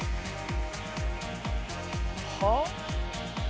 はあ？